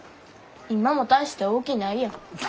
今も大して大きないやん。